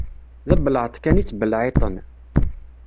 D abelεeṭ kan i ttbelεiṭen.